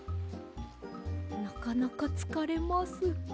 なかなかつかれます。